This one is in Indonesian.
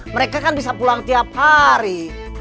mereka kan bisa pulang tiap hari